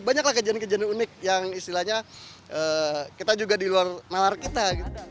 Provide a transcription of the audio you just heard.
banyak lah kejadian kejadian unik yang istilahnya kita juga di luar malar kita